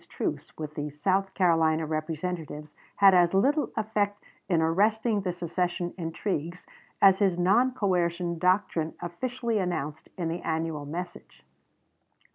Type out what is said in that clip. Buchanan's truce with the South Carolina Representatives had as little effect in arresting the secession intrigues as his non coercion doctrine officially announced in the annual message.